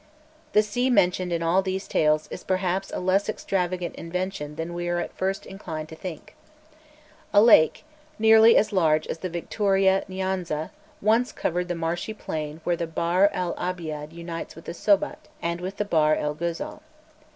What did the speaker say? The sea mentioned in all these tales is perhaps a less extravagant invention than we are at first inclined to think. A lake, nearly as large as the Victoria Nyanza, once covered the marshy plain where the Bahr el Abiad unites with the Sobat, and with the Bahr el Ghazal.